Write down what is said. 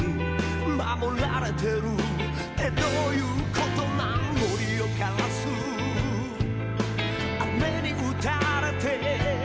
「守られてるってどうゆうことなん」「森を枯らす雨にうたれて」